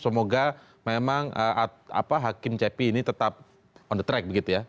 semoga memang hakim cepi ini tetap on the track begitu ya